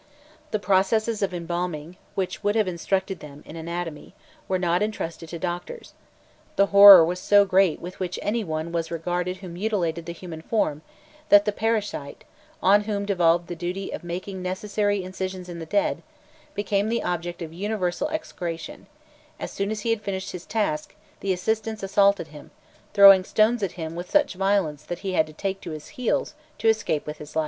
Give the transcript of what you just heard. The processes of embalming, which would have instructed them in anatomy, were not intrusted to doctors; the horror was so great with which any one was regarded who mutilated the human form, that the "paraschite," on whom devolved the duty of making the necessary incisions in the dead, became the object of universal execration: as soon as he had finished his task, the assistants assaulted him, throwing stones at him with such violence that he had to take to his heels to escape with his life.